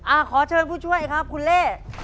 ขอเชิญผู้ช่วยครับคุณเล่